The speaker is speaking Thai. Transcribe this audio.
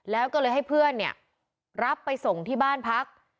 แล้วก็เลยให้เพื่อนเนี่ยรับไปส่งที่บ้านพัก